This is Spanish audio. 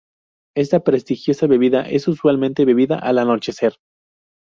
Esta prestigiosa bebida es usualmente bebida al anochecer.